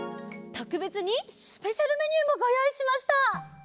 とくべつにスペシャルメニューもごよういしました！